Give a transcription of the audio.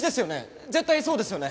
絶対そうですよね？